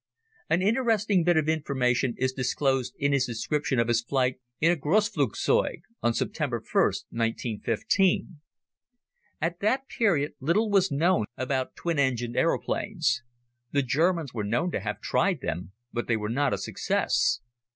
An interesting bit of information is disclosed in his description of his flight in a "Grossflugzeug," on September 1st, 1915. At that period little was known about twin engined aeroplanes. The Germans were known to have tried them, but they were not a success.